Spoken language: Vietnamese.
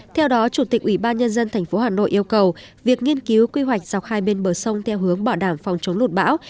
theo đó chủ tịch ủy ban nhân dân tp hà nội yêu cầu việc nghiên cứu quy hoạch dọc hai bên bờ sông theo hướng bảo đảm phòng chống lụt bão